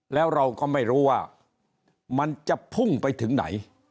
แล้วเราก็ไม่รู้ว่ามันจะพุ่งไปถึงไหน